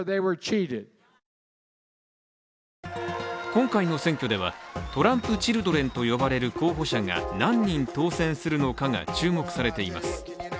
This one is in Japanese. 今回の選挙ではトランプチルドレンと呼ばれる候補者が何人当選するのかが注目されています。